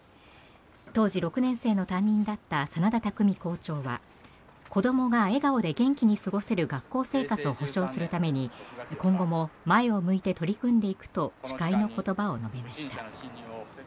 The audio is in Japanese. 当時、６年生の担任だった真田巧校長は子どもが笑顔で元気に過ごせる学校生活を保障するために今後も前を向いて取り組んでいくと誓いの言葉を述べました。